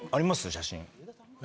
写真。